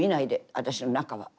私の中は。